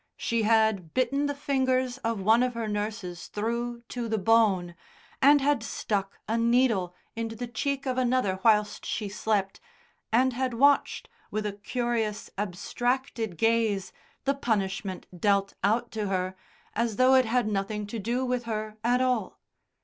She had bitten the fingers of one of her nurses through to the bone, and had stuck a needle into the cheek of another whilst she slept, and had watched, with a curious abstracted gaze, the punishment dealt out to her, as though it had nothing to do with her at all.